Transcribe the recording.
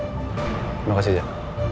terima kasih zed